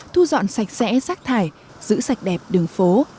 thu dọn sạch sẽ rác thải giữ sạch đẹp đường phố